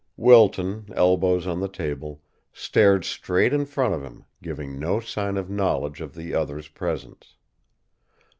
Wilton, elbows on the table, stared straight in front of him, giving no sign of knowledge of the other's presence.